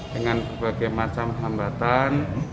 dengan berbagai macam hambatan